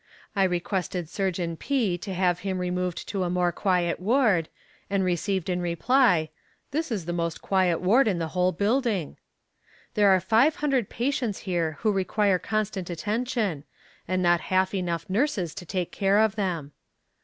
I requested Surgeon P. to have him removed to a more quiet ward, and received in reply 'This is the most quiet ward in the whole building.' There are five hundred patients here who require constant attention, and not half enough nurses to take care of them.